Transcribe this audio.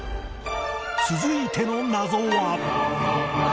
続いての謎は